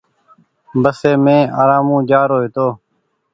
بسي مين ارآمون جآرو هيتو۔